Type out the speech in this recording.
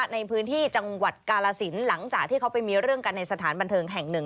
ในพื้นที่จังหวัดกาลสินหลังจากที่เขาไปมีเรื่องกันในสถานบันเทิงแห่งหนึ่ง